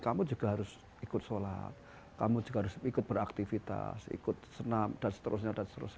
kamu juga harus ikut sholat kamu juga harus ikut beraktivitas ikut senam dan seterusnya dan seterusnya